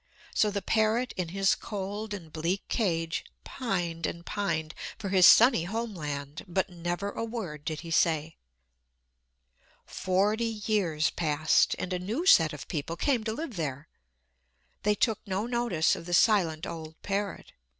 So the parrot in his cold and bleak cage pined and pined for his sunny home land, but never a word did he say. Forty years passed, and a new set of people came to live there. They took no notice of the silent old parrot.